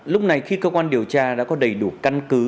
lúc này khi cơ quan điều tra đã có đầy đủ căn cứ